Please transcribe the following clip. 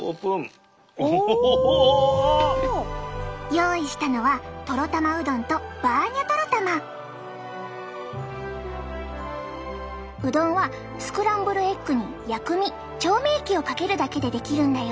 用意したのはうどんはスクランブルエッグに薬味・調味液をかけるだけで出来るんだよ。